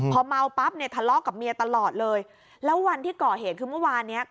พอเมาปั๊บเนี่ยทะเลาะกับเมียตลอดเลยแล้ววันที่ก่อเหตุคือเมื่อวานเนี้ย